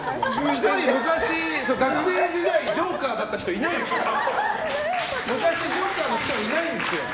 １人、学生時代に昔ジョーカーだった人いないですから。